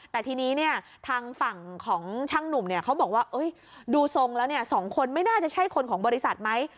แต่ทีนี้เนี่ยทางฝั่งของช่างหนุ่มเนี่ยเขาบอกว่าดูทรงแล้ว๒คนไม่น่าจะใช่คนของบริษัทไหม